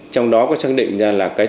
trong đó có xác định ra là cái